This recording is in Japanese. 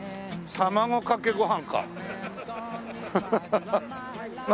卵かけご飯。